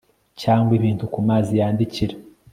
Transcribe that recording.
cyangwa ibintu ku mazi yandikira